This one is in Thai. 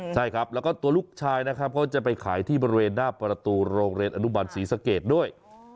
ใช่ครับแล้วก็ตัวลูกชายนะครับเขาจะไปขายที่บริเวณหน้าประตูโรงเรียนอนุบันศรีสะเกดด้วย